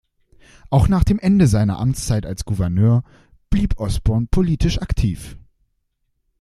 Auch nach dem Ende seiner Amtszeit als Gouverneur blieb Osborn politisch aktiv.